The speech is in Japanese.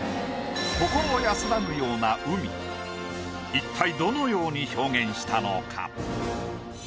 一体どのように表現したのか？